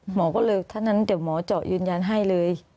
หมอก็เลยถ้างั้นเดี๋ยวหมอเจาะยืนยันให้เลย